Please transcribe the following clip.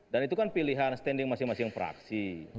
dan itu kan pilihan standing masing masing fraksi